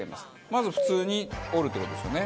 まず普通に折るって事ですよね。